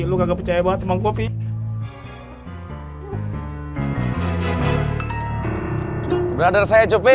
lo gak percaya banget sama gue